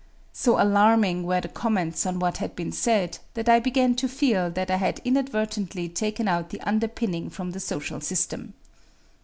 So alarming were the comments on what had been said that I began to feel that I had inadvertently taken out the underpinning from the social system.